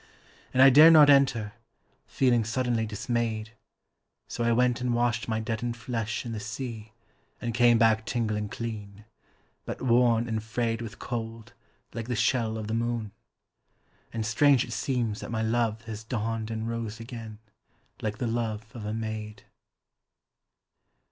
And I dared not enter, feeling suddenly dismayed. So I went and washed my deadened flesh in the sea And came back tingling clean, but worn and frayed With cold, like the shell of the moon: and strange it seems That my love has dawned in rose again, like the love of a maid.